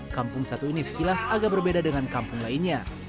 kampung satu ini sekilas agak berbeda dengan kampung lainnya